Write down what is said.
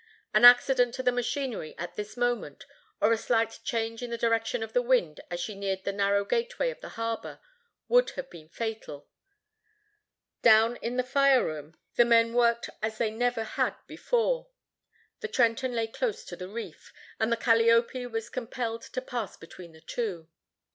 An accident to the machinery at this moment, or a slight change in the direction of the wind as she neared the narrow gate way of the harbor, would have been fatal. Down in the fire room, the men [Illustration: THE CALLIOPE PUTTING TO SEA.] worked as they never had before. The Trenton lay close to the reef, and the Calliope was compelled to pass between the two.